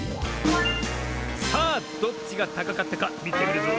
さあどっちがたかかったかみてみるぞ。